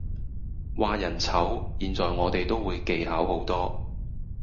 話人醜，現在我哋都會技巧好多